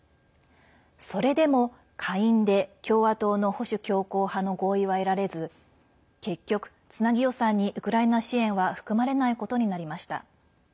それでも、下院で共和党の保守強硬派の合意は得られず結局、つなぎ予算にウクライナ支援は含まれないことになりました。